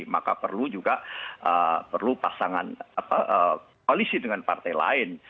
maka perlu juga pasangan polisi dengan partai lain